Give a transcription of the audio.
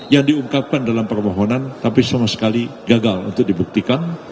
yang diungkapkan dalam permohonan tapi sama sekali gagal untuk dibuktikan